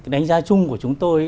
đánh giá chung của chúng tôi